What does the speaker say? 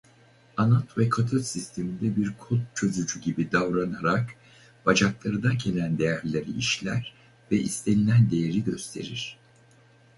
Anot ve katot sisteminde bir kod çözücü gibi davranarak bacaklarına gelen değerleri işler ve istenilen değeri gösterir.